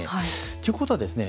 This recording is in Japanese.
ということはですね